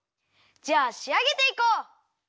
じゃあしあげていこう！